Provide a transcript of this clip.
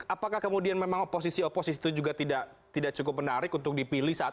apakah kemudian memang oposisi oposisi itu juga tidak cukup menarik untuk dipilih saat